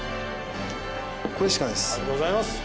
これしかないです。